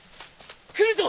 来るぞ！